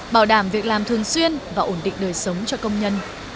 bảo đảm việc làm thường xuyên và ổn định đời sống cho công nhân